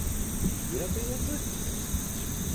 Ile pieniędzy?